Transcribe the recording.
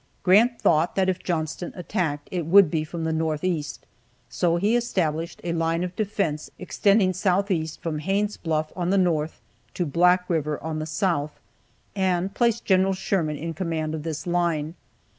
Grant thought that if Johnston attacked, it would be from the northeast, so he established a line of defense extending southeast, from Haines' Bluff on the north to Black river on the south, and placed Gen. Sherman in command of this line.